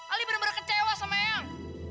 aldi benar benar kecewa sama eang